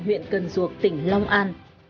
huyện cần ruộc tỉnh long an